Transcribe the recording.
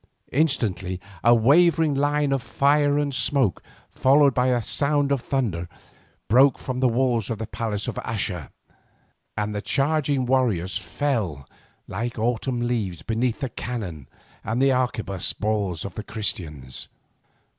Instantly a wavering line of fire and smoke, followed by a sound as of thunder, broke from the walls of the palace of Axa, and the charging warriors fell like autumn leaves beneath the cannon and arquebuss balls of the Christians.